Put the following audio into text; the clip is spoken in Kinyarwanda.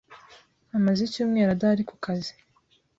Amaze icyumweru adahari ku kazi.